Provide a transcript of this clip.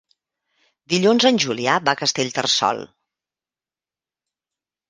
Dilluns en Julià va a Castellterçol.